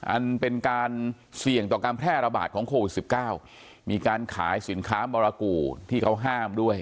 อันเป็นการเสี่ยงต่อการแพร่ระบาดของโควิด๑๙มีการขายสินค้ามรกูที่เขาห้ามด้วย